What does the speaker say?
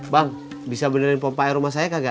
bang bisa benerin pompa air rumah saya kagak